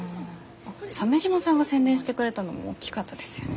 鮫島さんが宣伝してくれたのも大きかったですよね。